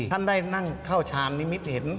ท่านได้นั่งเข้าชาญนิมิตเห็น